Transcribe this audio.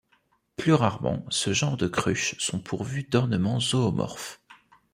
Plus rarement, ce genre de cruche sont pourvues dornement zoomorphes.